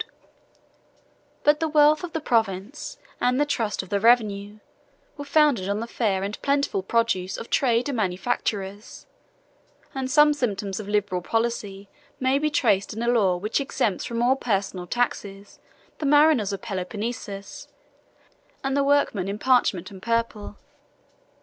] But the wealth of the province, and the trust of the revenue, were founded on the fair and plentiful produce of trade and manufacturers; and some symptoms of liberal policy may be traced in a law which exempts from all personal taxes the mariners of Peloponnesus, and the workmen in parchment and purple.